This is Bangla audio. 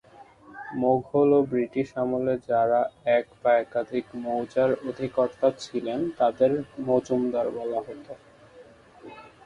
মোঘল ও ব্রিটিশ আমলে যারা এক বা একাধিক মৌজার অধিকর্তা ছিলেন তাদের মজুমদার বলা হতো।